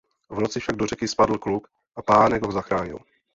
V noci však do řeky spadl kluk a Pánek ho zachránil.